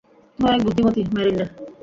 তুমি অনেক বুদ্ধিমতি, মেলিন্ডা।